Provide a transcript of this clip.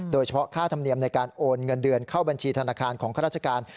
โดยเฉพาะค่าธรรมเนียมในการโอนเงินเดือนเข้าบัญชีธนาคารของข้าราชการ